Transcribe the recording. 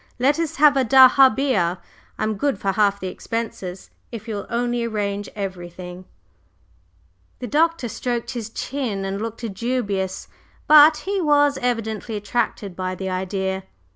Let us have a dahabeah! I'm good for half the expenses, if you will only arrange everything." The Doctor stroked his chin and looked dubious, but he was evidently attracted by the idea.